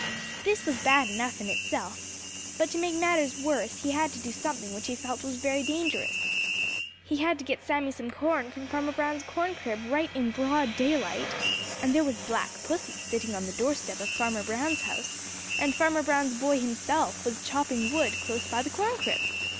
This was bad enough in itself, but to make matters worse he had to do something which he felt was very dangerous. He had to get Sammy some corn from Farmer Brown's corn crib right in broad daylight, and there was Black Pussy sitting on the doorstep of Farmer Brown's house, and Farmer Brown's boy himself was chopping wood close by the corn crib.